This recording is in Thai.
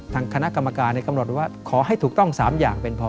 ทางคณะกรรมการกำหนดว่าขอให้ถูกต้อง๓อย่างเป็นพอ